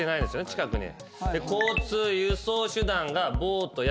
近くに。